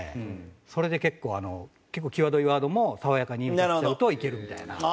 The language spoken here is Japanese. それで結構あの結構際どいワードも爽やかにのせるといけるみたいな。